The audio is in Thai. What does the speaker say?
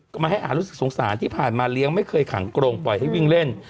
มาให้อารู้สึกสงสารที่ผ่านมาเลี้ยงไม่เคยขังกรงปล่อยให้วิ่งเล่น